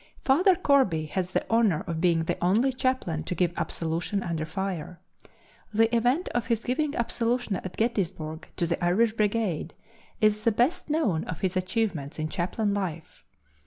Father Corby has the honor of being the only chaplain to give absolution under fire. The event of his giving absolution at Gettysburg to the Irish Brigade is the best known of his achievements in chaplain life.